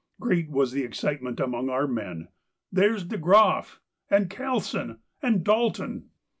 Great was the excitement among our men: 'There's De Groff,'—'and Callsen,'—'and Dalton.